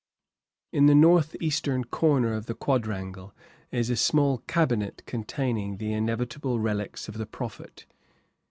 In the northeastern corner of the quadrangle is a small cabinet containing the inevitable relics of the Prophet.